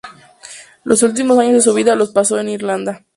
Los últimos años de su vida los pasó en Irlanda.